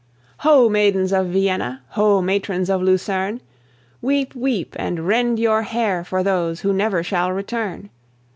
Ho! maidens of Vienna; Ho! matrons of Lucerne; Weep, weep, and rend your hair for those who never shall return.